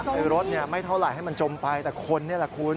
ไอ้รถนี่ไม่เท่าไรให้มันจมไปแต่คนนี่ล่ะคุณ